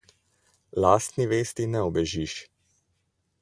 Lastni vesti ne ubežiš.